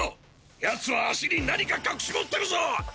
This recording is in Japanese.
ヤツは足に何か隠し持ってるぞ！！